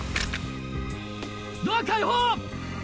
ドア開放！